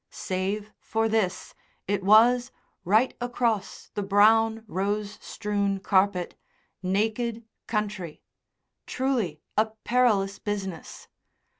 Save for this, it was, right across the brown, rose strewn carpet, naked country. Truly a perilous business.